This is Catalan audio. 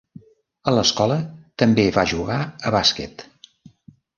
A l'escola també va jugar a bàsquet.